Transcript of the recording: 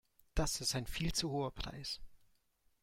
Das ist ein viel zu hoher Preis.